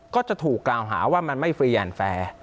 ก็จะถูกกล่าวหาว่ามันไม่ฟรียานแฟร์